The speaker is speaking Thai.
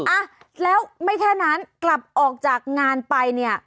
อ่ะแล้วไม่แค่นั้นกลับออกจากงานไปเนี่ย